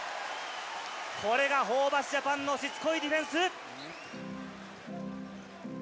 これがホーバスジャパンのしつこいディフェンス。